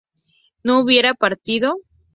¿no hubiera partido?